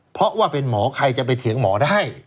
เพราะว่าเป็นหมอใครจะไปเถียงหมอได้